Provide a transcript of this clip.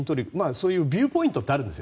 そういうビューポイントってあるんです。